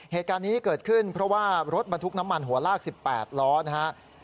เหตุการณ์นี้เกิดขึ้นเพราะว่ารถบรรทุกน้ำมันหัวลาก๑๘ล้อนะครับ